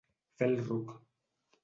Fer el ruc.